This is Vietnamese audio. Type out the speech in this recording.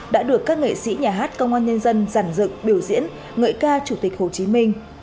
đã được các nghệ sĩ nhà hát công an nhân dân giản dựng biểu diễn ngợi ca chủ tịch hồ chí minh